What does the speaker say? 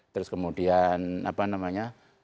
terus kemudian apa namanya